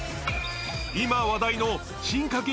今、話題の進化系